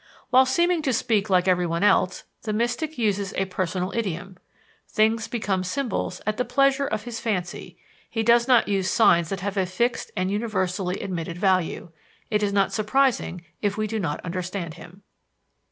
While seeming to speak like everyone else, the mystic uses a personal idiom: things becoming symbols at the pleasure of his fancy, he does not use signs that have a fixed and universally admitted value. It is not surprising if we do not understand him.